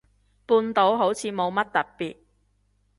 半島好似冇乜特別